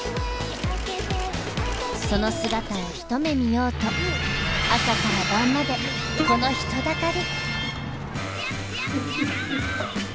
その姿を一目見ようと朝から晩までこの人だかり。